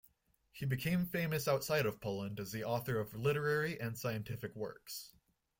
He became famous outside of Poland as the author of literary and scientific works.